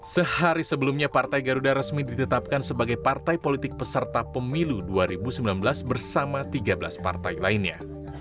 sehari sebelumnya partai garuda resmi ditetapkan sebagai partai politik peserta pemilu dua ribu sembilan belas bersama tiga belas partai lainnya